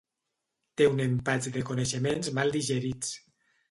Té un empatx de coneixements mal digerits.